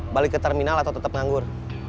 balik ke terminal atau tetap nganggur